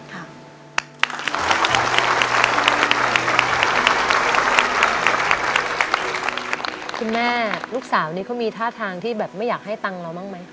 คุณแม่ลูกสาวนี้เขามีท่าทางที่แบบไม่อยากให้ตังค์เราบ้างไหม